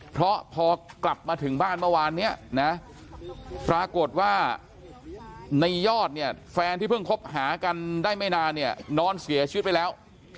เพราะพอกลับมาถึงบ้านเมื่อวานเนี่ยนะปรากฏว่าในยอดเนี่ยแฟนที่เพิ่งคบหากันได้ไม่นานเนี่ยนอนเสียชีวิตไปแล้ว